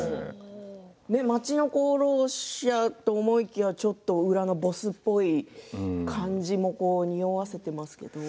町の功労者と思いきやちょっと裏のボスっぽい感じもちょっと匂わせていますよね。